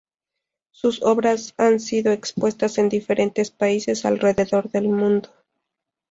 Sus obras han sido expuesta en diferentes países alrededor del mundo.